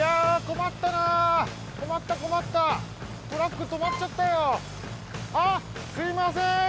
困った困ったトラック止まっちゃったよあっすいません